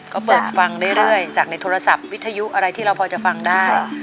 ก็เปิดฟังเรื่อยจากในโทรศัพท์วิทยุอะไรที่เราพอจะฟังได้